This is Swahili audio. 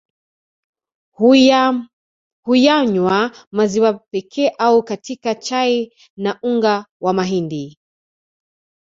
Huyanywa maziwa pekee au katika chai na unga wa mahindi